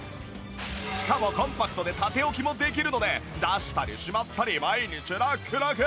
しかもコンパクトで縦置きもできるので出したりしまったり毎日ラックラク